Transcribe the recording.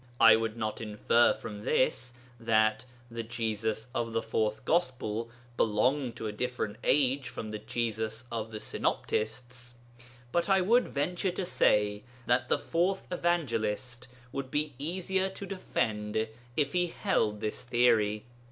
I would not infer from this that the Jesus of the Fourth Gospel belonged to a different age from the Jesus of the Synoptists, but I would venture to say that the Fourth Evangelist would be easier to defend if he held this theory.